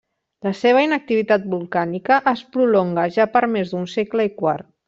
La seva inactivitat volcànica es prolonga ja per més d'un segle i quart.